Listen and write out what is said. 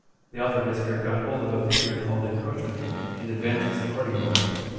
The author has here got hold of a figure called encroachment, 'and advances accordingly